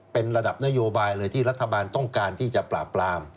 เป็นระดับนโยบายเลยที่รัฐบาลต้องการที่จะปราบปราม